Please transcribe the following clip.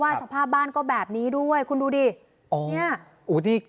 ว่าสภาพบ้านก็แบบนี้ด้วยคุณดูดิเนี่ย